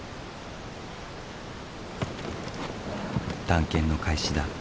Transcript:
探検の開始だ。